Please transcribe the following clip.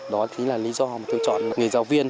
đó chính là lý do tôi chọn người giáo viên